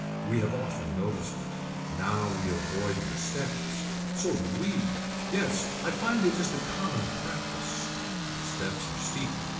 We have often noticed it. Now we avoid the steps. So do we. Yes I find it is the common practice. The steps are steep.